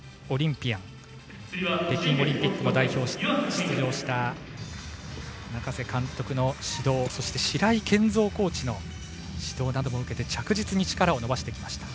オリンピアン北京オリンピック代表として出場した中瀬監督の指導そして白井健三コーチの指導なども受けて着実に力を伸ばしています。